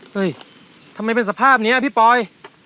เฮ้ยทำไมเป็นสภาพนี้พี่ปอย